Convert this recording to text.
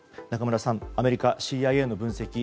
中村さん、アメリカＣＩＡの分析